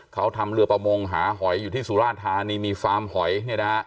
เขาทำเรือประมงหาหอยอยู่ที่สุราธานีมีฟาร์มหอยเนี่ยนะฮะ